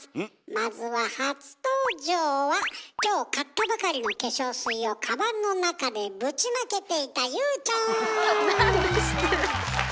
まずは初登場は今日買ったばかりの化粧水をカバンの中でぶちまけていたなんで知ってる？